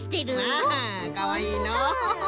アハかわいいのう。